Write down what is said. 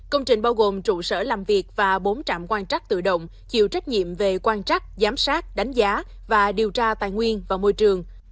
công trình bao gồm trụ sở làm việc và bốn trạm quan trắc tự động chịu trách nhiệm về quan trắc giám sát đánh giá và điều tra tài nguyên và môi trường